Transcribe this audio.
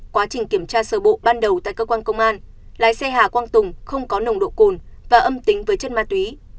quá trình kiểm tra sở bộ ban đầu tại cơ quan công an lái xe hà quang tùng không có nồng độ cồn và âm tính với chất ma túy